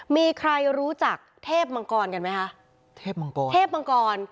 มีใครรู้จักเทพมังกรกันไหมคะเทพมังกรเทพมังกร